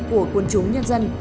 của quân chúng nhân dân